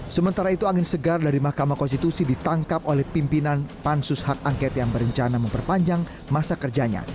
sementara itu angin segar dari mahkamah konstitusi ditangkap oleh pimpinan pansus hak angket yang berencana memperpanjang masa kerjanya